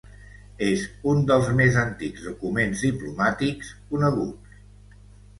És un dels més antics documents diplomàtics coneguts.